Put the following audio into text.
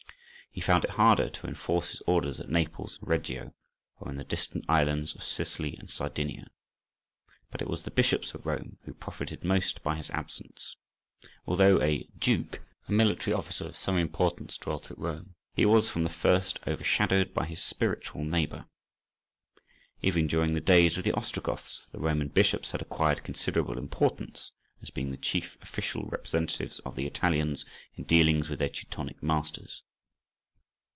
He found it harder to enforce his orders at Naples and Reggio, or in the distant islands of Sicily and Sardinia. But it was the bishops of Rome who profited most by his absence: although a "duke," a military officer of some importance, dwelt at Rome, he was from the first overshadowed by his spiritual neighbour. Even during the days of the Ostrogoths the Roman bishops had acquired considerable importance, as being the chief official representatives of the Italians in dealings with their Teutonic masters.